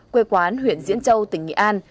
quê quán huyện diễn châu tỉnh nghị an